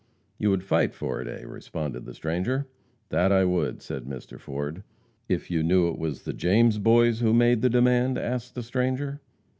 "You would fight for it, eh?" responded the stranger. "That I would," said Mr. Ford. "If you knew it was the James Boys who made the demand?" asked the stranger.